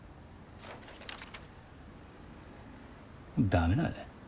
駄目だね。